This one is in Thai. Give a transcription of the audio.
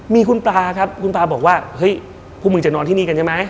มีคุณปลาครับคุณตาบอกว่าเฮ้ยพวกมึงจะนอนที่นี่กันใช่ไหม